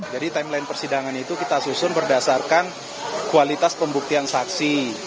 jadi timeline persidangan itu kita susun berdasarkan kualitas pembuktian saksi